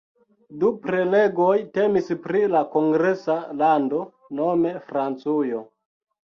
Du prelegoj temis pri la kongresa lando, nome Francujo.